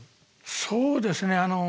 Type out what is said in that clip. そうですね。